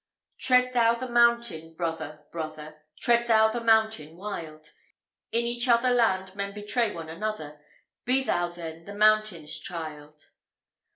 Tread thou the mountain, brother, brother! Tread thou the mountain wild! In each other land men betray one another; Be thou then the mountain's child.